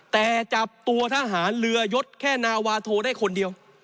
แต่จับตัวทหารเรือยศแค่นาวาโทได้คนเดียว